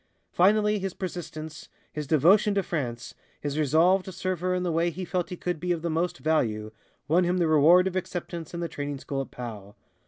Finally his persistence, his devotion to France, his resolve to serve her in the way he felt he could be of the most value, won him the reward of acceptance in the training school at Pau.